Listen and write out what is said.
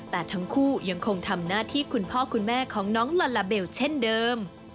แต่ทั้งคู่ยังคงทำหน้าที่คุณพ่อคุณแม่ของน้องลาลาเบลเช่นเดิม